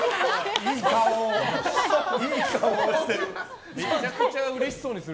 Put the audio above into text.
いい顔をしてる。